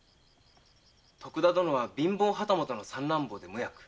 徳田殿は貧乏旗本の三男坊で無役。